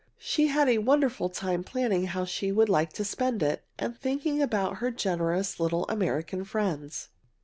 She had a wonderful time planning how she would like to spend it, and thinking about her generous little American friends.